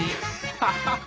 ハハハハ！